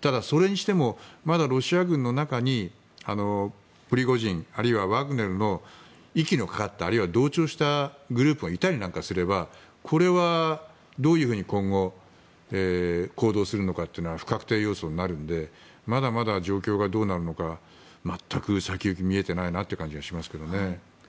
ただ、それにしてもまだロシア軍の中にプリゴジン、あるいはワグネルの息のかかった、あるいは同調したグループがいたりすればこれはどういうふうに今後行動するのかというのは不確定要素になるのでまだまだ状況がどうなるのか全く先行き見えてないなという感じしますけどね。